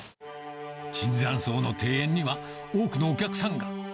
椿山荘の庭園には、多くのお客さんが。